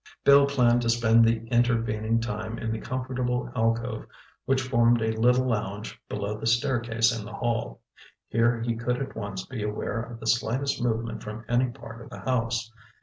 Bill planned to spend the intervening time in the comfortable alcove which formed a little lounge below the staircase in the hall. Here he could at once be aware of the slightest movement from any part of the house.